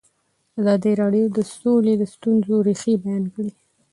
ازادي راډیو د سوله د ستونزو رېښه بیان کړې.